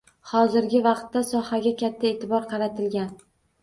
Hozirgi vaqtda sohaga katta e’tibor qaratilgan.